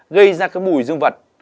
gây ra cái bùi dương vật